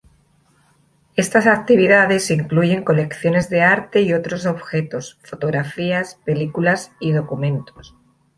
Estas actividades incluyen colecciones de arte y otros objetos, fotografías, películas y documentos.